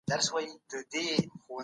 فابریکې څنګه د تولید وخت تنظیموي؟